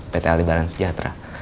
pt alibaran sejahtera